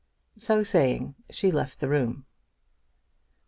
So saying, she left the room.